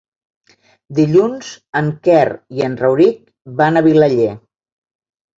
Dilluns en Quer i en Rauric van a Vilaller.